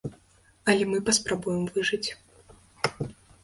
Але мы паспрабуем выжыць.